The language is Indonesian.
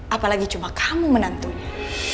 apalagi cuma kamu menantunya